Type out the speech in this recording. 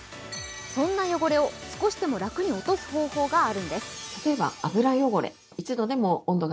そんな汚れを少しでも楽に落とす方法があるんです。